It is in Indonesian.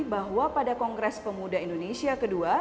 bahwa pada kongres pemuda indonesia ke dua